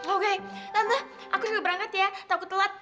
oke tante aku sudah berangkat ya takut telat